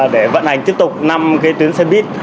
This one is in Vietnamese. để vận hành tiếp tục năm tuyến xe buýt